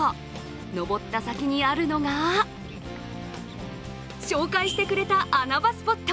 上った先にあるのが紹介してくれた穴場スポット